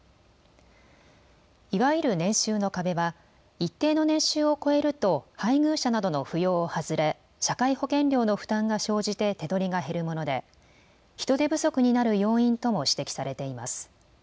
いわゆる年収の壁は一定の年収を超えると配偶者などの扶養を外れ社会保険料の負担が生じて手取りが減るもので人手不足になる要因とも指摘されています。